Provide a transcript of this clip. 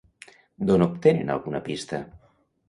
D'on obtenen alguna pista?